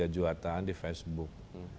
tiga jutaan di facebook